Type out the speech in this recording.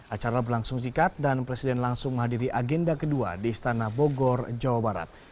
acara berlangsung sikat dan presiden langsung menghadiri agenda kedua di istana bogor jawa barat